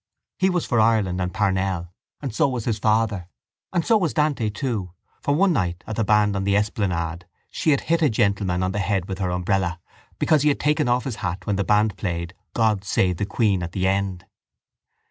He was for Ireland and Parnell and so was his father: and so was Dante too for one night at the band on the esplanade she had hit a gentleman on the head with her umbrella because he had taken off his hat when the band played God save the Queen at the end.